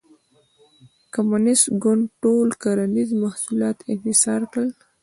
کمونېست ګوند ټول کرنیز محصولات انحصار کړل.